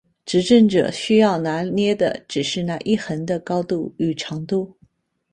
执政者需要拿捏的只是那一横的高度与长度。